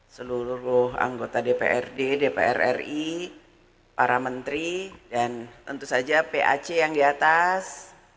seluruh anggota dprd dpr ri para menteri dan tentu saja pac yang di atas